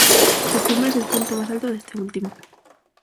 Su cumbre es el punto más alto de este último.